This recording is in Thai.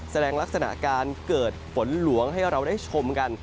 แสดงลักษณะการเกิดฝนหลวงให้เราได้ชมกัน